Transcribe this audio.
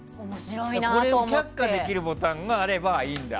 これを却下できるボタンがあればいいんだ。